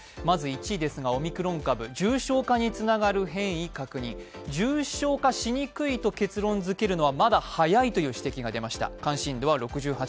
まず１位ですが、オミクロン株、重症化につながる変異確認、重症化しにくいと結論づけるのはまだ早いという指摘が出ました。